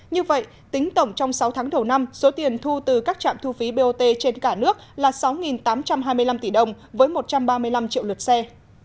như vậy tính tổng trong sáu tháng đầu năm số tiền thu từ các trạm thu phí bot trên cả nước là sáu tám trăm hai mươi năm tỷ đồng với một trăm ba mươi năm triệu lượt xe